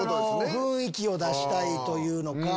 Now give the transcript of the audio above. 雰囲気を出したいというのか。